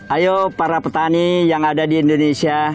ayo para petani yang ada di indonesia